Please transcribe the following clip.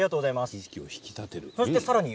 ひじきを引き立てる。